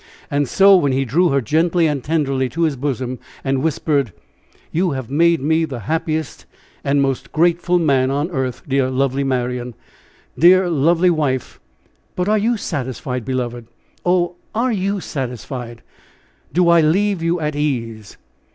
And so, when he drew her gently and tenderly to his bosom, and whispered: "You have made me the happiest and most grateful man on earth, dear, lovely Marian! dear, lovely wife! but are you satisfied, beloved oh! are you satisfied? Do I leave you at ease?"